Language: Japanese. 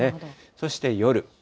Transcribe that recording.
そして夜。